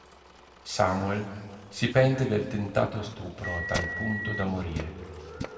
Samuel si pente del tentato stupro a tal punto da morire.